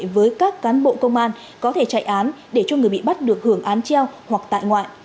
với các cán bộ công an có thể chạy án để cho người bị bắt được hưởng án treo hoặc tại ngoại